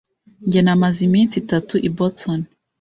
Njye namaze iminsi itatu i Boston.